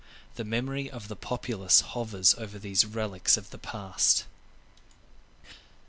The memory of the populace hovers over these relics of the past.